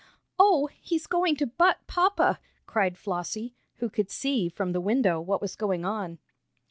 "Oh, he's going to butt papa!" cried Flossie, who could see, from the window, what was going on.